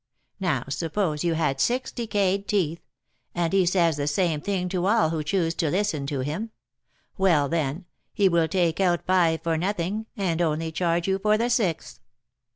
Now, suppose you had six decayed teeth, and he says the same thing to all who choose to listen to him, well, then he will take out five for nothing, and only charge you for the sixth.